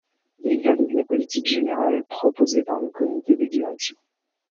Il valide la politique générale proposée par le comité de direction.